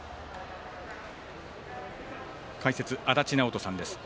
解説、足達尚人さんです。